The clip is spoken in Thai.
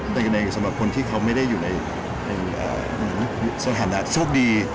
แต่อยู่ในสำหรับคนที่เขาไม่ได้อยู่ในสถานะโชคดี